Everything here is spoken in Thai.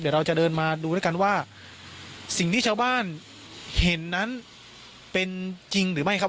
เดี๋ยวเราจะเดินมาดูด้วยกันว่าสิ่งที่ชาวบ้านเห็นนั้นเป็นจริงหรือไม่ครับ